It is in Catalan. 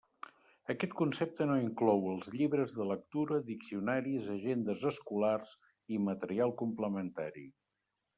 Aquest concepte no inclou els llibres de lectura, diccionaris, agendes escolars i material complementari.